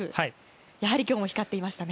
やはり今日も光っていましたね。